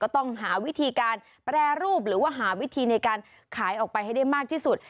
ต้องหาวิธีการแปรรูปหรือว่าหาวิธีในการขายออกไปให้ได้มากที่สุด